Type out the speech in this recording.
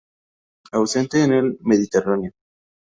Ausente en el Mediterráneo.